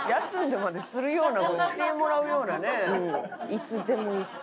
いつでもいいし。